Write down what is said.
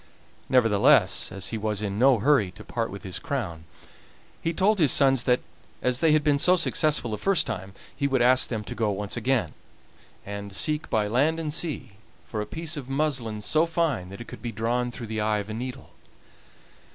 Nevertheless, as he was in no hurry to part with his crown, he told his sons that, as they had been so successful the first time, he would ask them to go once again, and seek by land and sea for a piece of muslin so fine that it could be drawn through the eye of a needle.